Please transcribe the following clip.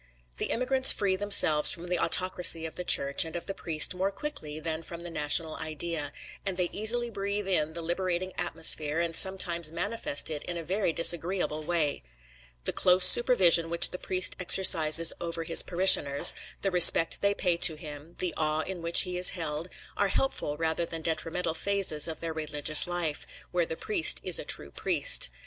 The immigrants free themselves from the autocracy of the Church and of the priest more quickly than from the national idea, and they easily breathe in the liberating atmosphere and sometimes manifest it in a very disagreeable way. The close supervision which the priest exercises over his parishioners, the respect they pay to him, the awe in which he is held, are helpful rather than detrimental phases of their religious life, where the priest is a true priest.